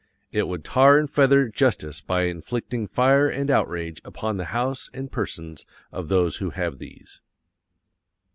It would tar and feather justice by inflicting fire and outrage upon the house and persons of those who have these."